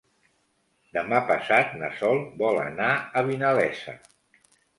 Demà passat na Sol vol anar a Vinalesa.